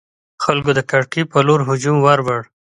خلکو د کړکۍ پر لور هجوم وروړ.